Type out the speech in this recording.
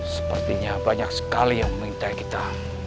sepertinya banyak sekali yang mengintai kita